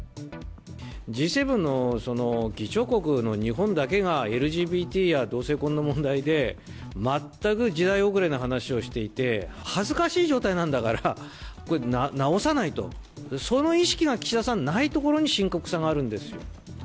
Ｇ７の議長国の日本だけがＬＧＢＴや同性婚の問題で、全く時代遅れな話をしていて、恥ずかしい状態なんだから、これ、直さないと、その意識が岸田さん、ないところに深刻さがあるんですよ。